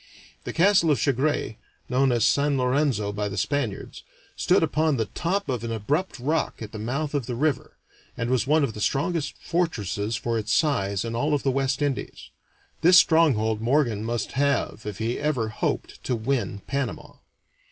The castle of Chagres, known as San Lorenzo by the Spaniards, stood upon the top of an abrupt rock at the mouth of the river, and was one of the strongest fortresses for its size in all of the West Indies. This stronghold Morgan must have if he ever hoped to win Panama.